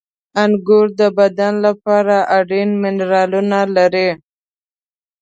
• انګور د بدن لپاره اړین منرالونه لري.